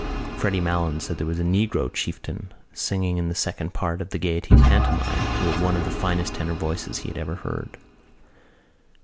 Freddy Malins said there was a negro chieftain singing in the second part of the Gaiety pantomime who had one of the finest tenor voices he had ever heard.